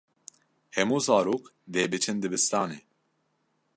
Hemû zarok dê biçin dibistanê.